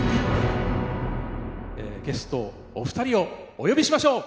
ゲストお二人をお呼びしましょう！